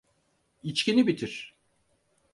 İçkini bitir.